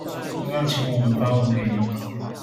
剛剛請我們發文給銀行